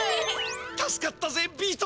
助かったぜビート。